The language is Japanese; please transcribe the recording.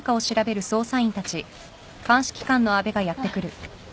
あっ。